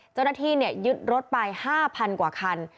เจ้าหน้าที่ยึดรถไป๕๐๐กว่าคัน